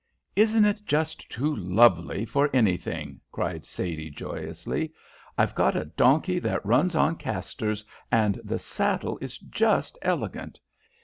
"Isn't it just too lovely for anything?" cried Sadie, joyously. "I've got a donkey that runs on casters, and the saddle is just elegant.